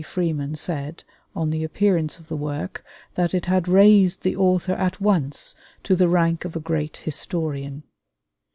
Freeman said on the appearance of the work that it had raised the author at once to the rank of a great historian.